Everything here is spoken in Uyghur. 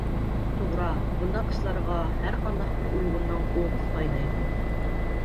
توغرا، بۇنداق ئىشلارغا ھەرقانداق بىر ئۇيغۇرنىڭ ئوغىسى قاينايدۇ.